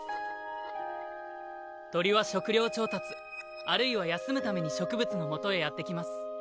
鳥は食料調達あるいは休むために植物のもとへやってきます。